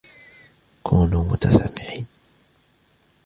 كونوا متسامحين.